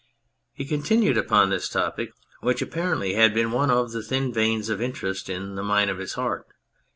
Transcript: He continued upon this topic, which apparently had been one of the thin veins of interest in the mine of his heart.